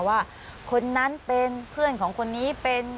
ว่าคนนั้นเป็นเพื่อนของคนนี้เป็น